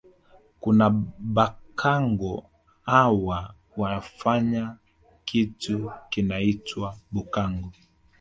Kuna Bhakango hawa wanafanya kitu kinaitwa bhukango